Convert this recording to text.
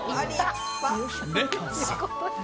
レタス。